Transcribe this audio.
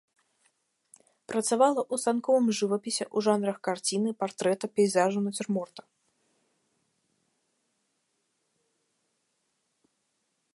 Працавала ў станковым жывапісе ў жанрах карціны, партрэта, пейзажу, нацюрморта.